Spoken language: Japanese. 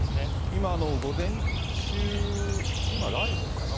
今、午前中、今ライブかな？